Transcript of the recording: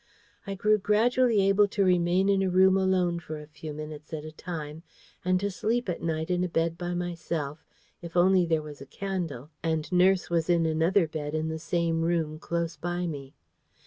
I grew gradually able to remain in a room alone for a few minutes at a time, and to sleep at night in a bed by myself, if only there was a candle, and nurse was in another bed in the same room close by me.